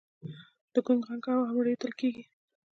د ګونګ غږ هم اورېدل کېږي.